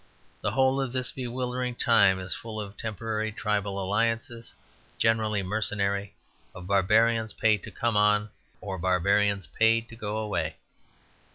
The whole of this bewildering time is full of temporary tribal alliances, generally mercenary; of barbarians paid to come on or barbarians paid to go away.